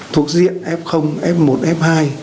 thuộc diện f f một f hai